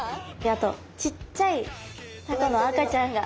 あとちっちゃいタコの赤ちゃんが。